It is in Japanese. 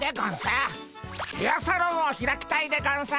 ヘアサロンを開きたいでゴンス。